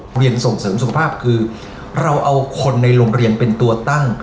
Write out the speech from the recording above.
เรียนส่งเสริมสุขภาพคือเราเอาคนในโรงเรียนเป็นตัวตั้ง